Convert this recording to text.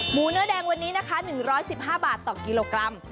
เนื้อแดงวันนี้นะคะ๑๑๕บาทต่อกิโลกรัม